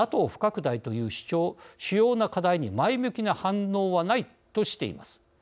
ＮＡＴＯ不拡大という主要な課題に前向きな反応はないとしています。